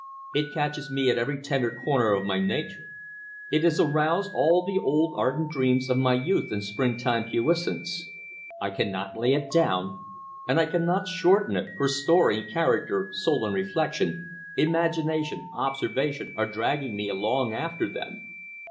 It catches me at every tender corner of my nature. It has aroused all the old ardent dreams of youth and springtime puissance. I cannot lay it down, and I cannot shorten it, for story, character, soul and reflection, imagination, observation are dragging me along after them....